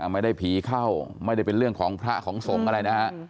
ไม่ได้ผิเข้าไม่ได้เป็นเรื่องของพระของสงครับ